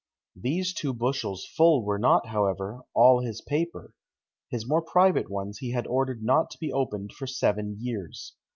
These two bushels full were not, however, all his papers; his more private ones he had ordered not to be opened for seven years.